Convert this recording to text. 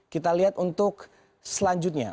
kita lihat untuk selanjutnya